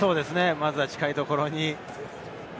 まずは近いところに。